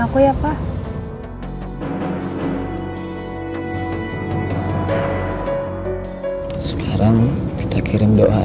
aku pikir tadi kamu terlalu keras